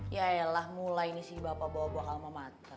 yaelah mulai nih si bapak bawa bawa kalam amater